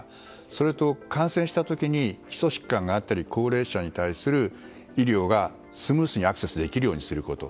それと感染した時に基礎疾患があったり高齢者に対する医療がスムースにアクセスできるようにすること。